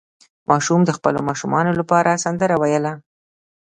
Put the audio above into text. ماشوم د خپلو ماشومانو لپاره سندره ویله.